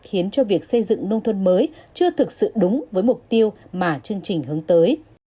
khiến cho việc xây dựng nông thôn mới chưa thực sự đúng với mục tiêu mà chương trình hướng tới